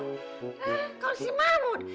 hah kalau si mahmud